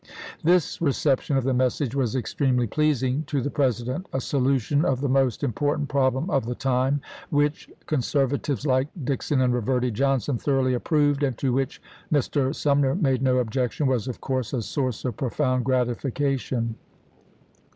This reception of the message was extremely pleasing to the President. A solution of the most important problem of the time, which conserva tives like Dixon and Eeverdy Johnson thoroughly approved, and to which Mr. Sumner made no ob jection, was of course a source of profound gratifi cation.